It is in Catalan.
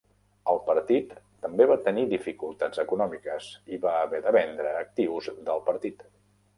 El partit també va tenir dificultats econòmiques i va haver de vendre actius del partit.